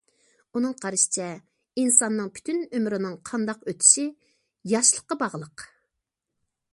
ئۇنىڭ قارىشىچە، ئىنساننىڭ پۈتۈن ئۆمرىنىڭ قانداق ئۆتۈشى ياشلىققا باغلىق.